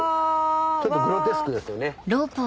ちょっとグロテスクですよね。